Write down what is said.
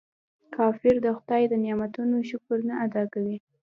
کافر د خداي د نعمتونو شکر نه ادا کوي.